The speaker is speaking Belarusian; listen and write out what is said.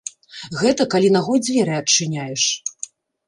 Гэта калі нагой дзверы адчыняеш.